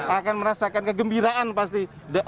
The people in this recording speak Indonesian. akan merasakan kegembiraan pasti